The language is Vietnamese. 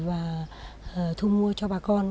và thu mua cho bà con